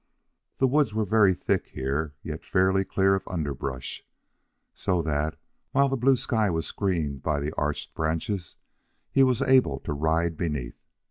The woods were very thick here, yet fairly clear of underbrush, so that, while the blue sky was screened by the arched branches, he was able to ride beneath.